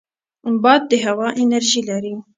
باد د هوا انرژي لري